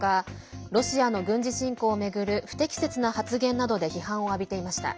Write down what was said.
ロシアの軍事侵攻を巡る不適切な発言などで批判を浴びていました。